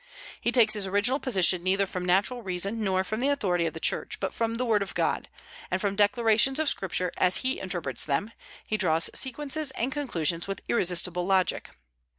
He takes his original position neither from natural reason nor from the authority of the church, but from the word of God; and from declarations of Scripture, as he interprets them, he draws sequences and conclusions with irresistible logic.